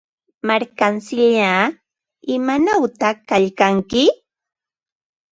Markamsillaa, ¿imanawta kaykanki?